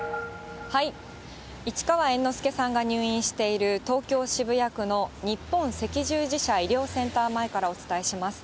市川猿之助さんが入院している、東京・渋谷区の日本赤十字社医療センター前からお伝えします。